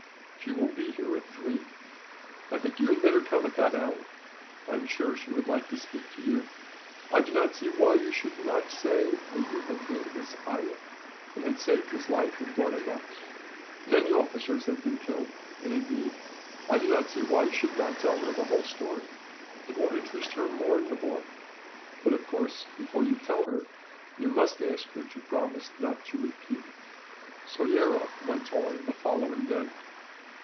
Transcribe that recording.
"She will be here at three. I think you had better come at that hour. I am sure that she would like to speak to you. I do not see why you should not say that you had been his ayah, and had saved his life, and brought him up. Many officers have been killed and, indeed, I do not see why you should not tell her the whole story. It will interest her more in the boy. But of course, before you tell her, you must ask her to promise not to repeat it." Soyera went on the following day.